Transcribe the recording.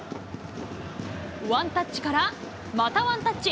ワンタッチから、またワンタッチ。